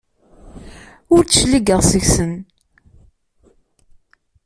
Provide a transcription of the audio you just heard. Ur d-cligeɣ seg-sen.